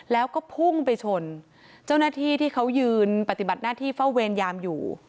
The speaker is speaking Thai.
แล้วก็พุ่งไปชนเจ้าหน้าที่ที่เขายืนปฏิบัติหน้าที่เฝ้าเวรยามอยู่